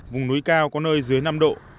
vùng núi cao có nơi dưới năm độ